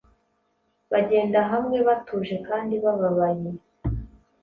bagenda hamwe batuje kandi bababaye,